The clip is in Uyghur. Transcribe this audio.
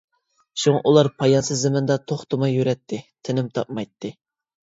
شۇڭا، ئۇلار پايانسىز زېمىندا توختىماي يۈرەتتى، تىنىم تاپمايتتى!